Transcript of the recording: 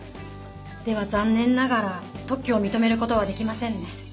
では残念ながら特許を認めることはできませんね。